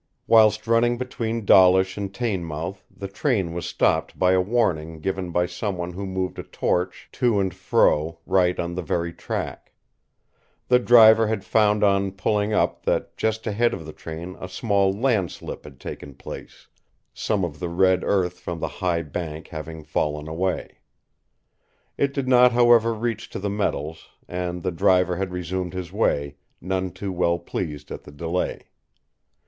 Whilst running between Dawlish and Teignmouth the train was stopped by a warning given by someone who moved a torch to and fro right on the very track. The driver had found on pulling up that just ahead of the train a small landslip had taken place, some of the red earth from the high bank having fallen away. It did not however reach to the metals; and the driver had resumed his way, none too well pleased at the delay.